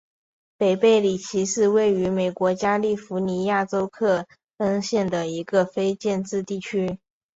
北贝里奇是位于美国加利福尼亚州克恩县的一个非建制地区。